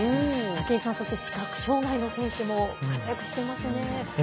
武井さん、そして視覚障がいの選手も活躍していますね。